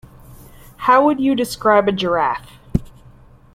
How would you describe a giraffe?